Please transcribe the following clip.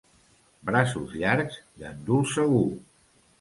Braços llargs, gandul segur.